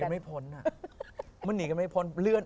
มันหนีกันไม่พ้นอ่ะ